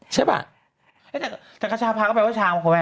ใช่ป่ะแต่คาชาพาก็แปลว่าช้างมั้ยครับแม่